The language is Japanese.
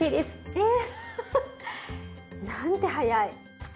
えっ？なんて早い。